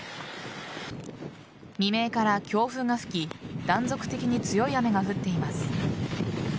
未明から強風が吹き断続的に強い雨が降っています。